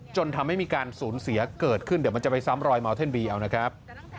จนทำให้มีการสูญเสียเกิดขึ้นเดี๋ยวมันจะไปซ้ำรอยเมาเท่นบีเอานะครับ